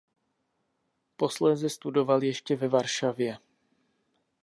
Posléze studoval ještě ve Varšavě.